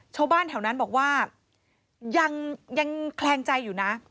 ชาวบ้านแถวนั้นบอกว่ายังแคลงใจอยู่นะ